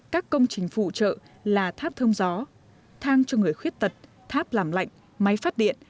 các công trình phụ trợ là tháp thông gió thang cho người khuyết tật tháp làm lạnh máy phát điện